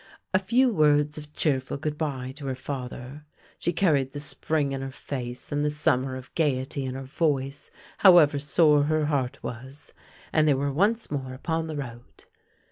A few words of cheerful good bye to her father — she carried the spring in her face and the summer of gaiety in her voice however sore her heart was — and they were once more upon the road.